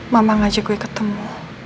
mama ngajak gue ketemu